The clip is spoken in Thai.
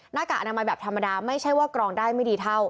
หน้ากากอนามัยแบบธรรมดาไม่ใช่ว่ากรองได้ไม่ดีเท่า